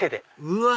うわ！